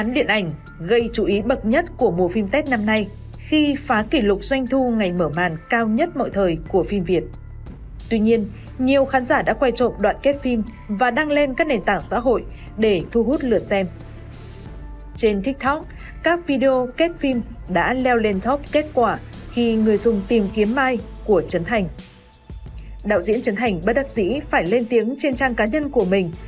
đạo diễn trấn hành bất đắc dĩ phải lên tiếng trên trang cá nhân của mình